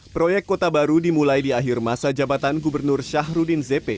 proyek kota baru dimulai di akhir masa jabatan gubernur syahrudin zp